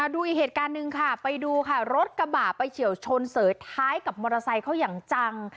ดูอีกเหตุการณ์หนึ่งค่ะไปดูค่ะรถกระบะไปเฉียวชนเสยท้ายกับมอเตอร์ไซค์เขาอย่างจัง